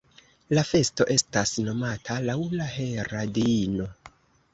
La festo estas nomata laŭ la Hera diino.